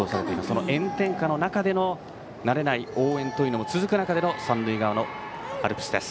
その炎天下の中での慣れない応援が続く中での三塁側のアルプスです。